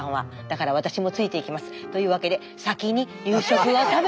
だから私もついていきますというわけで「先に夕食を食べて下さい」。